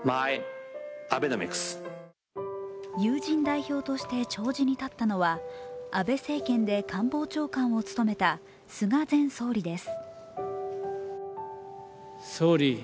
友人代表として弔辞に立ったのは安倍政権で官房長官を務めた菅前総理です。